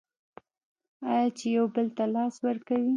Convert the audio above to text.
آیا چې یو بل ته لاس ورکوي؟